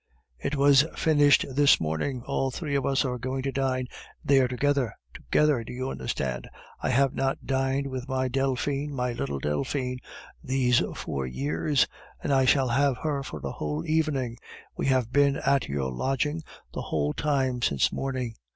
"It was finished this morning! All three of us are going to dine there together, together! Do you understand? I have not dined with my Delphine, my little Delphine, these four years, and I shall have her for a whole evening! We have been at your lodging the whole time since morning.